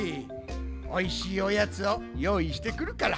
おいしいおやつをよういしてくるから。ね？